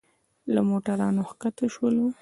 له موټرانو ښکته شولو.